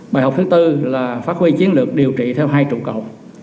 bài học thứ tư là phát huy chiến lược điều trị theo hai trụ cầu